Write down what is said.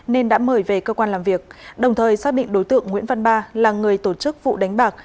nên đã mời về cơ quan làm việc đồng thời xác định đối tượng nguyễn văn ba là người tổ chức vụ đánh bạc